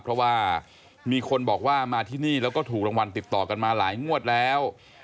เพราะว่ามีคนบอกว่ามาที่นี่แล้วก็ถูกรางวัลติดต่อกันมาหลายงวดแล้ว